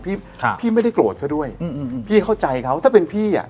พี่ไม่ได้โกรธเขาด้วยพี่เข้าใจเขาถ้าเป็นพี่อ่ะ